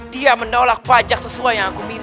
dia menolak pajak sesuai yang kuminta